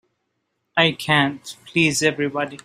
I can't please everybody.